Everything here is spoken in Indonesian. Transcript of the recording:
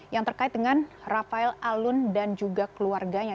yang terkait dengan rafael alun dan juga keluarganya